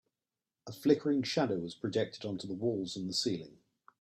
A flickering shadow was projected onto the walls and the ceiling.